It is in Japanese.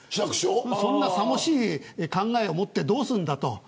そんな、さもしい考えを持ってどうするんだと。